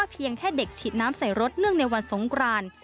เพียงแค่เด็กฉีดน้ำใส่รถเนื่องในวันสงคราน